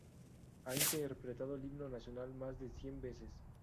Ha interpretado el Himno Nacional más de cien veces.